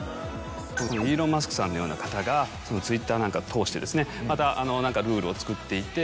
このイーロン・マスクさんのような方がＴｗｉｔｔｅｒなんかを通してまたルールを作っていって。